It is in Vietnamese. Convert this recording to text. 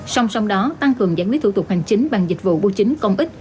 song song đó tăng cường giải quyết thủ tục hành chính bằng dịch vụ bưu chính công ích